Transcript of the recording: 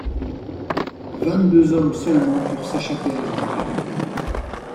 Vingt-deux hommes seulement purent s'échapper à la nage.